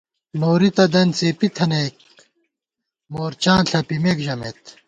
نوری تہ دن څېپی تھنَئیک مورچاں ݪَپِمېک ژَمېت